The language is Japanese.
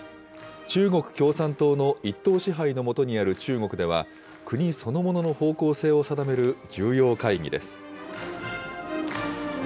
中国共産党の一党支配の下にある中国では、国そのものの方向性を定める重要会議です。